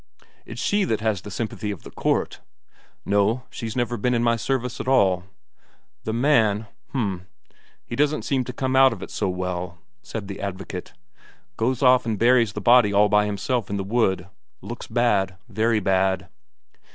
It's she that has the sympathy of the court." "No, she's never been in my service at all." "The man h'm, he doesn't seem to come out of it so well," said the advocate. "Goes off and buries the body all by himself in the wood looks bad, very bad."